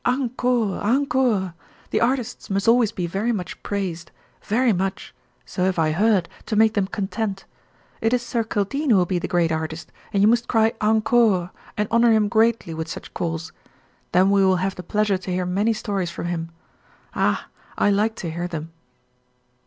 Encore! Encore! The artists must always be very much praised very much so have I heard, to make them content. It is Sir Kildene who will be the great artist, and you must cry 'Encore,' and honor him greatly with such calls. Then will we have the pleasure to hear many stories from him. Ah, I like to hear them."